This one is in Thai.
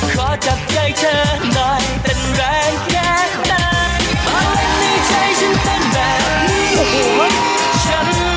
ขอจับใจเธอหน่อยเป็นแรงแค่นั้น